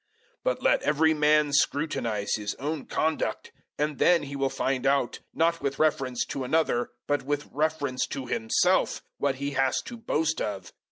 006:004 But let every man scrutinize his own conduct, and then he will find out, not with reference to another but with reference to himself, what he has to boast of.